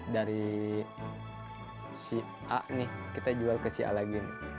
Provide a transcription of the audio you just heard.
dari si a nih kita jual ke si a lagi